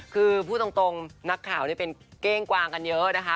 คือพูดตรงนักข่าวเป็นเก้งกวางกันเยอะนะคะ